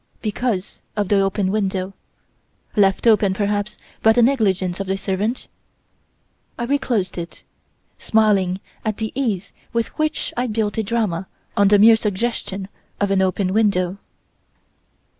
Because of the open window left open, perhaps, by the negligence of a servant? I reclosed it, smiling at the ease with which I built a drama on the mere suggestion of an open window.